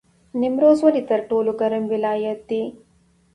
نیمروز ولې تر ټولو ګرم ولایت دی؟